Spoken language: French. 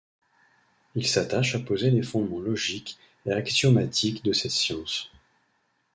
Il s’attache à poser les fondements logiques et axiomatiques de cette science.